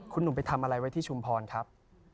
คุณหนุ่มไปทำอะไรไว้ที่ชุมพรครับ